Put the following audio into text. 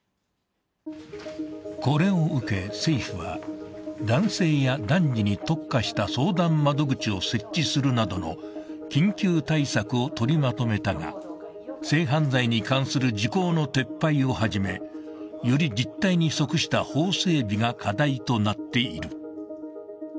これを受け政府は、男性や男児に特化した相談窓口を設置するなどの緊急対策を取りまとめたが、性犯罪に関する時効の撤廃をはじめより実態に即した法整備が課題となっている。